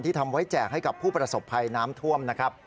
ทำไว้แจกให้กับผู้ประสบภัยน้ำท่วมนะครับ